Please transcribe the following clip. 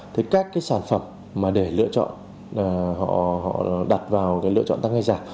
thế các cái sản phẩm mà để lựa chọn họ đặt vào cái lựa chọn tăng hay giả